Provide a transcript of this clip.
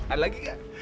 ada lagi gak